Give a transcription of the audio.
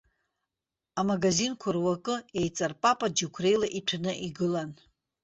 Амаӷазақәа руакы еиҵарпапа џьықәреила иҭәны игылан.